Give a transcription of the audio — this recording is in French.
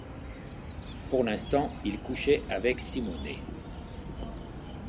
Pour l'instant, il couchait avec Simonne.